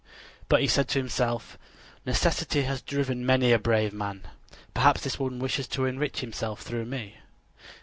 But he said to himself: "Necessity has driven many a brave man; perhaps this one wishes to enrich himself through me.